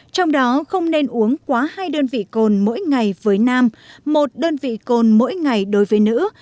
trong đó không nên uống quá hai đơn vị cồn mỗi ngày với nam một đơn vị cồn mỗi ngày đối với nữ